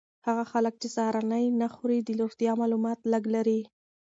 هغه خلک چې سهارنۍ نه خوري د روغتیا مالومات لږ لري.